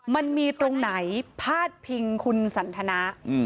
มันมีตรงไหนพาดพิงคุณสันทนา